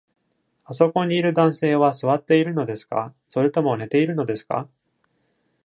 あそこにいる男性は座っているのですか、それとも寝ているのですか？